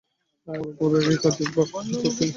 আমার উপর এই কাজের ভার ছিল।